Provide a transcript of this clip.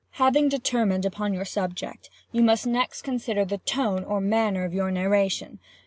"Having determined upon your subject, you must next consider the tone, or manner, of your narration.